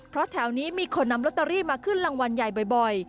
เพราะแถวนี้มีคนนำลอตเตอรี่มาขึ้นรางวัลใหญ่บ่อย